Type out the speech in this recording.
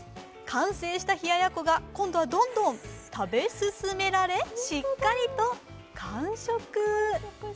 完成した冷ややっこが今度はどんどん食べ進められ、しっかりと完食。